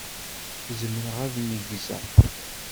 Zemreɣ ad neggzeɣ.